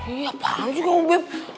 iya apaan sih kamu beb